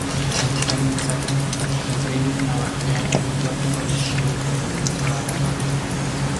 Ante tal mensaje, el rey de Nabatea huyó aterrorizado de regreso a Ammán.